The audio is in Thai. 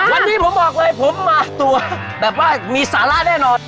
วันนี้ผมบอกเลยผมมาตัวแบบว่ามีสาระแน่นอน